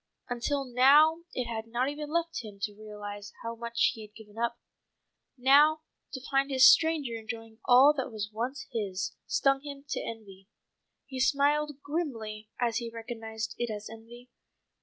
Until now it had not even left him time to realize how much he had given up. Now to find this stranger enjoying all that was once his, stung him to envy. He smiled grimly as he recognized it as envy.